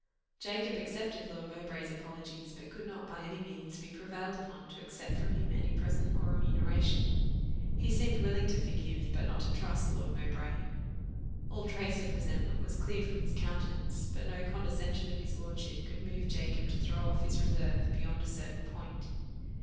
Jacob accepted Lord Mowbray's apologies, but could not by any means be prevailed upon to accept from him any present or remuneration. He seemed willing to forgive, but not to trust Lord Mowbray. All trace of resentment was cleared from his countenance, but no condescension of his lordship could move Jacob to throw off his reserve beyond a certain point.